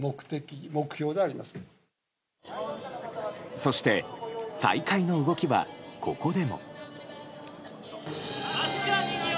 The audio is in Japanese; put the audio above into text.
そして、再開の動きはここでも。